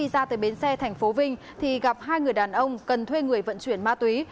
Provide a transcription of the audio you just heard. ra từ bến xe thành phố vinh thì gặp hai người đàn ông cần thuê người vận chuyển ma túy